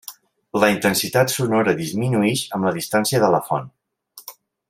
La intensitat sonora disminuïx amb la distància de la font.